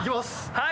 はい！